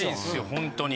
本当に。